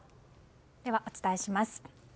では、お伝えします。